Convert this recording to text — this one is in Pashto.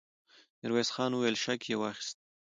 ميرويس خان وويل: شک يې واخيست!